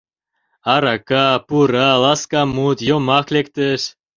Арака, пура, ласка мут, йомак лектеш.